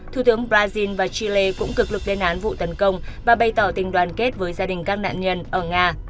thủ tướng brazil và chile cũng cực lực lên án vụ tấn công và bày tỏ tình đoàn kết với gia đình các nạn nhân ở nga